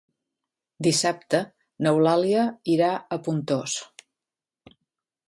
Dissabte n'Eulàlia irà a Pontós.